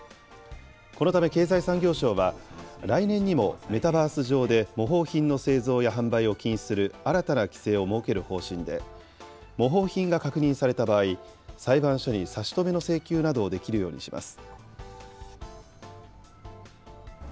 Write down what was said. このため経済産業省は、来年度にもメタバース上で模倣品の製造や販売を禁止する新たな規制を設ける方針で、模倣品が確認された場合、裁判所に差し止めの請求などをできるようにします。